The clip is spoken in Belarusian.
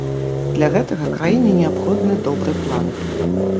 Для гэтага краіне неабходны добры план.